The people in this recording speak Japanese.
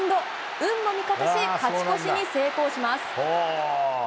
運も味方し勝ち越しに成功します。